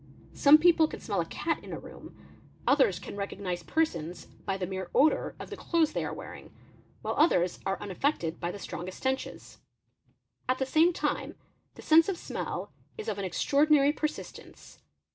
Some people ca: smell a cat in a room, others can recognise persons by the mere odour 0 the clothes they are wearing, while others are unaffected by the stronges stenches. At the same time, the sense of smell is of an extraordinary persistence.